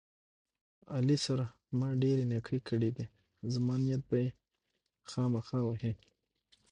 علي سره ما ډېرې نیکۍ کړې دي، زما نیت به یې خواخما وهي.